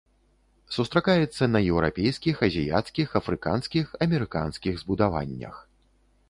Сустракаецца на еўрапейскіх, азіяцкіх, афрыканскіх, амерыканскіх збудаваннях.